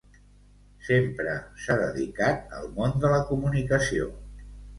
Sempre s'ha dedicat al món de la comunicació.